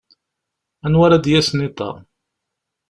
Anwa ara d-yasen iḍ-a?